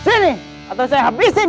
saya udah punya uang buat bikin sim